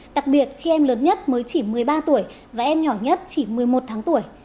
đặc biệt khi em lớn nhất mới chỉ một mươi ba tuổi và em nhỏ nhất chỉ một mươi một tháng tuổi